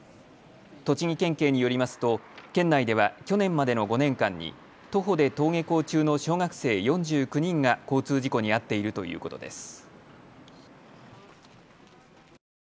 栃木県警によりますと県内では去年までの５年間に徒歩で登下校中の小学生４９人が交通事故に遭っているということです。